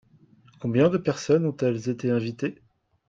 Combien de personnes ont-elles été invitées ?